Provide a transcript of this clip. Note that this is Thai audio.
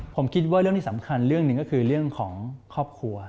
ผมคิดว่าเรื่องที่สำคัญเรื่องหนึ่งก็คือเรื่องของครอบครัว